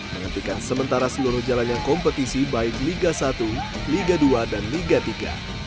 menghentikan sementara seluruh jalannya kompetisi baik liga satu liga dua dan liga tiga